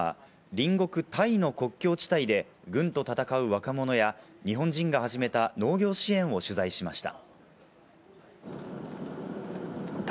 隣国タイの国境地帯で軍と戦う若者や日本人が始めた農業支援を取材しました。